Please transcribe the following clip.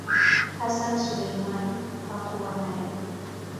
Hassan Suleiman hakuwa nayo.